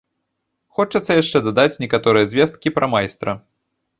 Хочацца яшчэ дадаць некаторыя звесткі пра майстра.